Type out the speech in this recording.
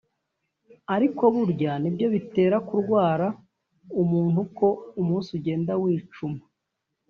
ariko burya nibyo bitera kurwara umutwe uko umunsi ugenda wicuma